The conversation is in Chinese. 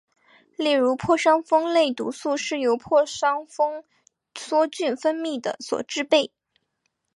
例如破伤风类毒素是由破伤风梭菌分泌的所制备。